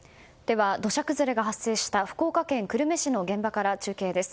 土砂崩れが発生した、福岡県久留米市の現場から中継です。